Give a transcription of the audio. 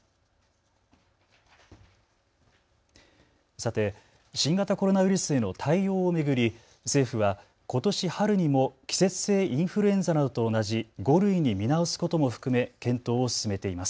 さて新型コロナウイルスへの対応を巡り、政府はことし春にも季節性インフルエンザなどと同じ５類に見直すことも含め検討を進めています。